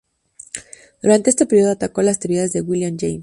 Durante este período atacó las teorías de William James.